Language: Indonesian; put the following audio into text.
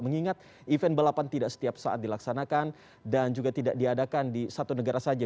mengingat event balapan tidak setiap saat dilaksanakan dan juga tidak diadakan di satu negara saja